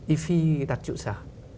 ifi đặt trụ sở